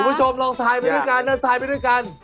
คุณผู้ชมลองทายไปด้วยกันนะทายไปด้วยกัน